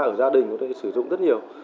ở gia đình có thể sử dụng rất nhiều